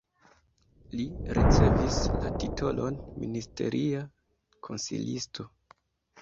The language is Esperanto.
Li ricevis la titolon ministeria konsilisto.